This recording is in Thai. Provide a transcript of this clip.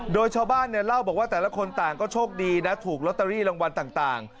โดยชาวบ้านเนี่ยเล่าบอกว่าแต่ละคนต่างก็โชคดีนะถูกลอตเตอรี่รางวัลต่าง